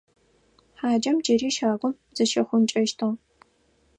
Хьаджэм джыри щагум зыщихъункӀэщтыгъ.